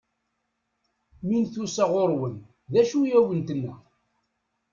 Mi n-tusa ɣur-wen, d acu i awen-tenna?